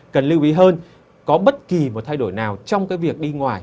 cần lưu ý hơn có bất kỳ một thay đổi nào trong cái việc đi ngoài